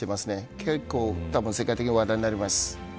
結構、世界的に話題になります。